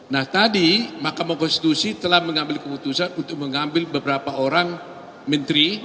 nah tadi makam konstitusi telah mengambil keputusan untuk mengambil beberapa orang menteri